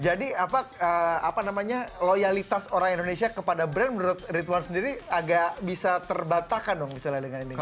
jadi apa namanya loyalitas orang indonesia kepada brand menurut ridwan sendiri agak bisa terbatakan dong misalnya dengan indonesia